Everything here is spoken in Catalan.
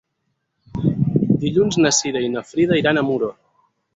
Dilluns na Cira i na Frida iran a Muro.